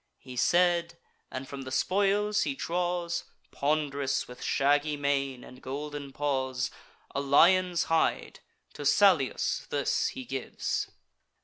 He said, and, from among the spoils, he draws (Pond'rous with shaggy mane and golden paws) A lion's hide: to Salius this he gives.